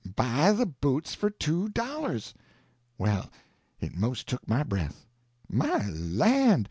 "Buy the boots for two dollars!" Well, it 'most took my breath. "My land!